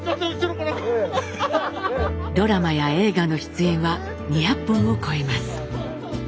ドラマや映画の出演は２００本を超えます。